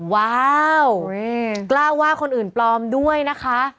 ว้าวกล้าว่าคนอื่นปลอมด้วยนะคะ